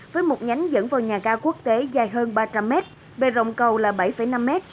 với một nhánh dẫn vào nhà ca quốc tế dài hơn ba trăm linh m bề rộng cầu là bảy năm m